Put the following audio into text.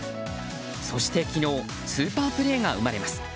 そして昨日スーパープレーが生まれます。